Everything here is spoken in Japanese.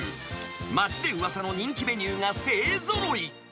町でウワサの人気メニューが勢ぞろい。